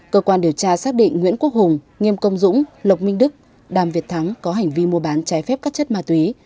cơ quan điều tra xác định nguyễn quốc hùng nghiêm công dũng lộc minh đức đàm việt thắng có hành vi mua bán trái phép các chất ma túy